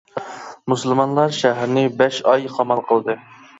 مۇسۇلمانلار شەھەرنى بەش ئاي قامال قىلدى.